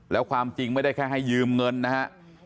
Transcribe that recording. แล้วความจริงไม่ได้แค่ให้ยืมเงินนะฮะ